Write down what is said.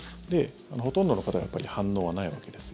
ほとんどの方はやっぱり反応はないわけです。